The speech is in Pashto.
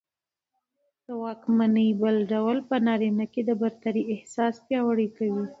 د واکمنۍ بل ډول په نارينه کې د برترۍ احساس پياوړى کوي